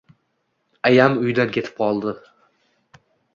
Ayam uydan ketib qoldi